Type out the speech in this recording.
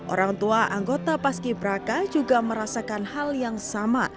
orang tua anggota paski braka juga merasakan hal yang sama